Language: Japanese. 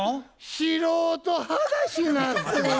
素人話なってん。